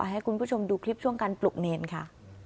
ให้คุณผู้ชมดูคลิปช่วงการปลุกเนรค่ะ